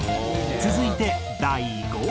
続いて第５位。